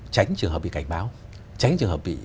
tránh trường hợp bị cảnh báo tránh trường hợp bị